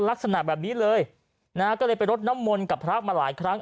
ลักษณะแบบนี้เลยนะฮะก็เลยไปรดน้ำมนต์กับพระมาหลายครั้ง